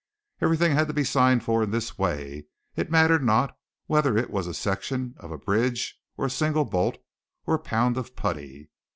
Everything had to be signed for in this way, it mattered not whether it was a section of a bridge or a single bolt or a pound of putty.